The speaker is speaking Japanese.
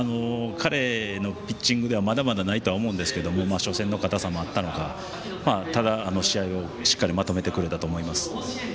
彼のピッチングではまだまだだなと思うんですけど初戦のかたさもあったのかただ、試合をしっかりとまとめてくれたと思います。